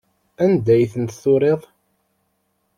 Anda ay tent-turiḍ?